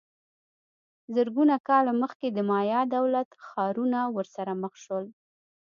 زرګونه کاله مخکې د مایا دولت ښارونه ورسره مخ سول